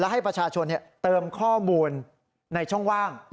ให้ประชาชนเติมข้อมูลในช่องว่าง